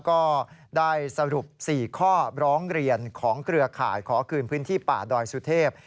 ก็ได้สรุป๔ข้อร้องเรียนของเครือข่ายขอคืนพื้นที่ป่าดอยสุเทพ